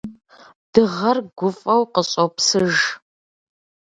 Дыгъэр гуфӀэу къыщӀопсыж.